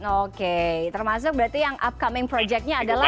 oke termasuk berarti yang upcoming projectnya adalah